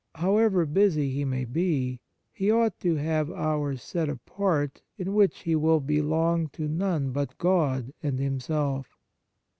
However busy he may be, he ought to have hours set apart in which he will belong to none but God and himself.